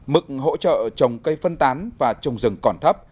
mức hỗ trợ trồng cây phân tán và trồng rừng còn thấp